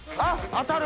当たる！